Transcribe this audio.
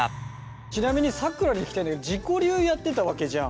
ちなみにさくらに聞きたいんだけど自己流やってたわけじゃん。